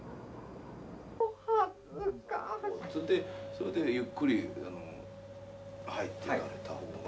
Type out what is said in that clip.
それでゆっくりあの入っていかれた方が。